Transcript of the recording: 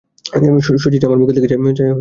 শচীশ আমার মুখের দিকে চোখ মেলিয়া চাহিয়া রহিল।